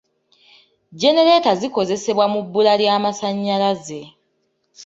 Genereeta zikozesebwa mu bbula ly'amasannyalaze.